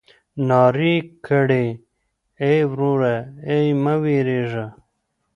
نارې يې کړې ای وروره ای مه وېرېږه.